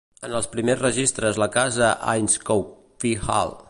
En els primers registres la casa Ayscough Fee Hall.